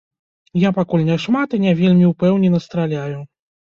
Я пакуль не шмат і не вельмі ўпэўнена страляю.